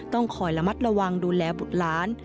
ต้องคอยระมัดระวังดูแลบุตรหลาน